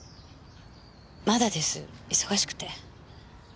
まだです忙しくて。